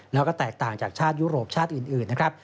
แล้วก็แตกต่างจากชาติยุโรปชาติอื่นนะครับ